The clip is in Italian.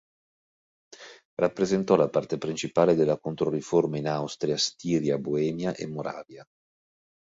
Rappresentò la parte principale della Controriforma in Austria, Stiria, Boemia, e Moravia.